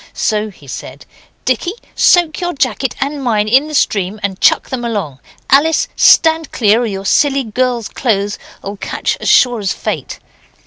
So he said, 'Dicky, soak your jacket and mine in the stream and chuck them along. Alice, stand clear, or your silly girl's clothes'll catch as sure as fate.